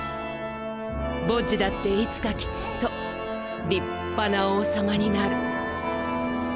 ボッジだっていつかきっと立派な王様になる。